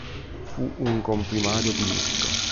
Fu un comprimario di lusso.